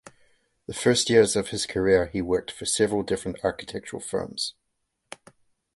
The first years of his career he worked for several different architectural firms.